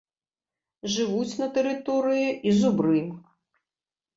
Жывуць на тэрыторыі і зубры.